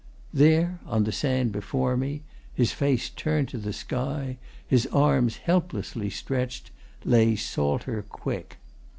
There, on the sand before me, his face turned to the sky, his arms helplessly stretched, lay Salter Quick.